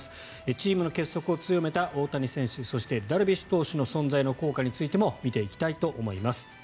チームの結束を強めた大谷選手そしてダルビッシュ投手の存在の効果についても見ていきたいと思います。